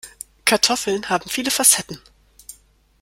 Kartoffeln haben viele Facetten.